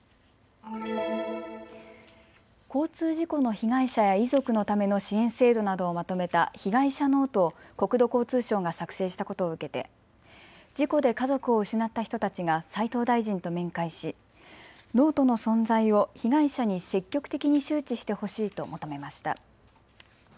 交通事故の被害者や遺族のための支援制度などをまとめた被害者ノートを国土交通省が作成したことを受けて事故で家族を失った人たちが斉藤大臣と面会しノートの存在を被害者に積極的に周知してほしいと求めました。